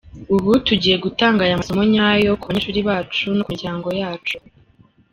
Ubu tugiye gutanga aya masomo nyayo ku banyeshuri bacu no ku miryango yacu.